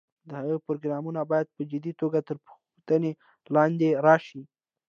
د هغه پروګرامونه باید په جدي توګه تر پوښتنې لاندې راشي.